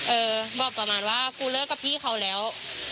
บอกประมาณว่าครูเลิกกับพี่เขาแล้ว